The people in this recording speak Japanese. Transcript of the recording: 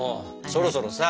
そろそろさ